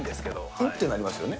うん？ってなりますね。